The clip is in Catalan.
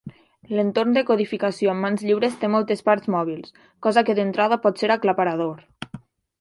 L'entorn de codificació amb mans lliures té moltes parts mòbils, cosa que d'entrada pot ser aclaparador.